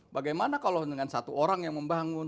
bagaimana kalau dengan satu orang yang membangun